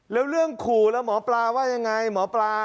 แล้วเรื่องขู่แล้วหมอปลาว่ายังไงหมอปลา